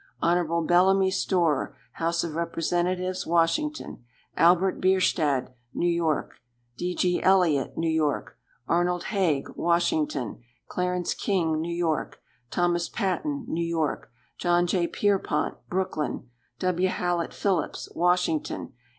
Hon. Bellamy Storer, House of Representatives, Washington. Albert Bierstadt, New York. D. G. Elliott, New York. Arnold Hague, Washington. Clarence King, New York. Thomas Paton, New York. John J. Pierrepont, Brooklyn. W. Hallett Phillips, Washington.